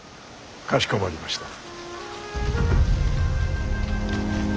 かしこまりました。